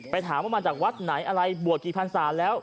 ไปถามว่ามันจากวัดไหนอะไรบวทเอาคุณผ่านสารแล้ว